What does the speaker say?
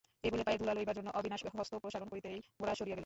এই বলিয়া পায়ের ধুলা লইবার জন্য অবিনাশ হস্ত প্রসারণ করিতেই গোরা সরিয়া গেল।